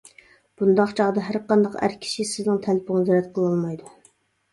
بۇنداق چاغدا ھەرقانداق ئەر كىشى سىزنىڭ تەلىپىڭىزنى رەت قىلالمايدۇ.